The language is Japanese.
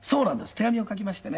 手紙を書きましてね